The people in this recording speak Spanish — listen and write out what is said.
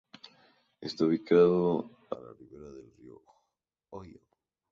Está ubicada a la ribera del río Ohio.